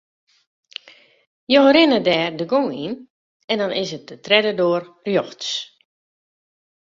Jo rinne dêr de gong yn en dan is it de tredde doar rjochts.